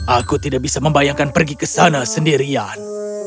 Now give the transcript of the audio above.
aku tidak bisa membayangkan pergi ke sana sendirian